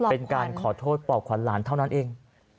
เป็นการขอโทษปอบขวัญหลานเท่านั้นเอง